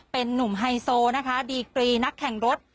เป็นนุ่มไฮโซนะคะดีกรีนักแข่งรถ